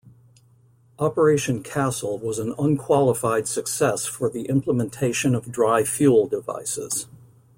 "Operation Castle" was an unqualified success for the implementation of dry fuel devices.